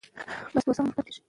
که ساینس وي نو حقیقت نه پټیږي.